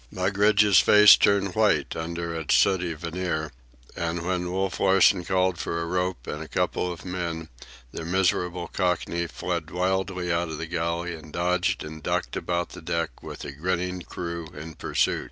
Mugridge's face turned white under its sooty veneer, and when Wolf Larsen called for a rope and a couple of men, the miserable Cockney fled wildly out of the galley and dodged and ducked about the deck with the grinning crew in pursuit.